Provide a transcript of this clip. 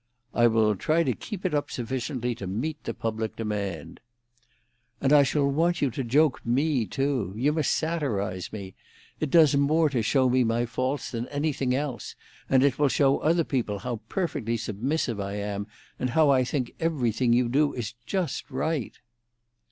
"I will try to keep it up sufficiently to meet the public demand." "And I shall want you to joke me, too. You must satirise me. It does more to show me my faults than anything else, and it will show other people how perfectly submissive I am, and how I think everything you do is just right."